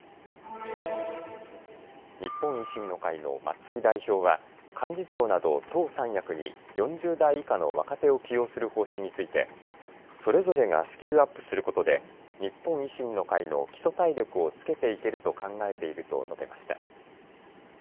日本維新の会の松井代表は幹事長など党三役に４０代以下の若手を起用する方針についてそれぞれがスキルアップすることで日本維新の会の基礎体力をつけていけると考えていると述べました。